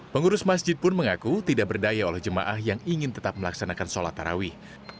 pengurus masjid pun mengaku tidak berdaya oleh jemaah yang ingin tetap melaksanakan sholat tarawih